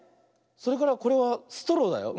それからこれはストローだよ。